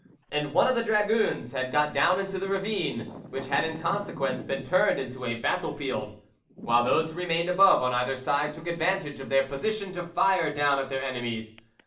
] and one of the dragoons had got down into the ravine, which had in consequence been turned into a battlefield; while those who remained above on either side took advantage of their position to fire down at their enemies.